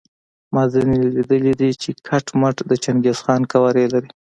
ما ځینې لیدلي دي چې کټ مټ د چنګیز خان قوارې لري.